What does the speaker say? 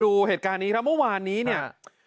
ดูเหตุการณ์นี้ครับเมื่อวานนี้เนี่ย